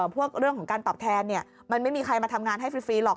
เรื่องของการตอบแทนมันไม่มีใครมาทำงานให้ฟรีหรอก